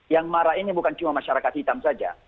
yang marah ini bukan cuma masyarakat hitam saja